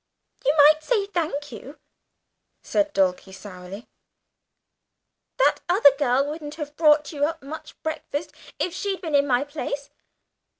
"You might say 'thank you,'" said Dulcie, pouting. "That other girl wouldn't have brought you up much breakfast if she'd been in my place.